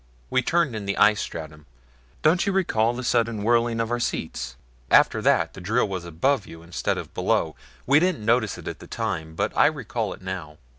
We turned in the ice stratum. Don't you recall the sudden whirling of our seats? After that the drill was above you instead of below. We didn't notice it at the time; but I recall it now."